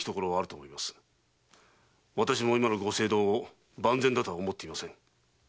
私も今の御政道を万全だとは思っていません。